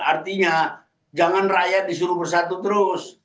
artinya jangan rakyat disuruh bersatu terus